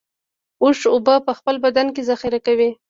اوښ اوبه په خپل بدن کې ذخیره کوي